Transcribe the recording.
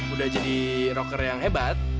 udah jadi rocker yang hebat